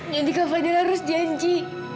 jadi kak fadil harus janji